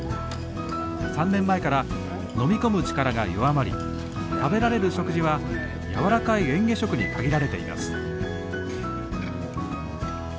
３年前から飲み込む力が弱まり食べられる食事はやわらかいえん下食に限られています。